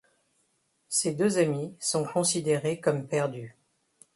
Ses deux amis sont considérés comme perdus.